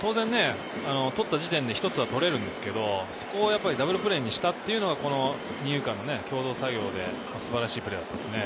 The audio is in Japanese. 取った時点で一つは取れるんですけど、そこをダブルプレーにしたのが二遊間の共同作業で素晴らしいプレーでしたね。